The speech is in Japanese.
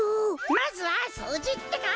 まずはそうじってか。